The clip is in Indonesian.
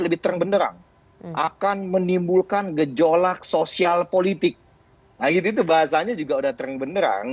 lebih terbenderang akan menimbulkan gejolak sosial politik itu bahasanya juga udah terbenderang